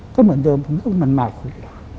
ก็เหมือนเดิมมันมาคุย